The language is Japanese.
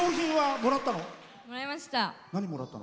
もらいました。